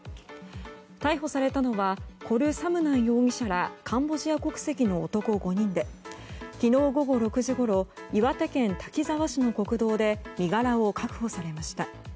逮捕されたのはコル・サムナン容疑者らカンボジア国籍の男５人で昨日午後６時ごろ岩手県滝沢市の国道で身柄を確保されました。